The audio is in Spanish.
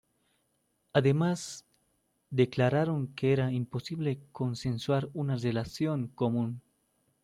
Además, declararon que era imposible consensuar una relación común.